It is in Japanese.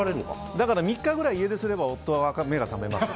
３日くらい家出すれば夫は目が覚めますよ。